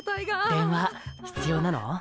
・電話必要なの？